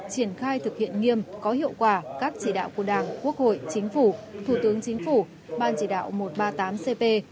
triển khai thực hiện nghiêm có hiệu quả các chỉ đạo của đảng quốc hội chính phủ thủ tướng chính phủ ban chỉ đạo một trăm ba mươi tám cp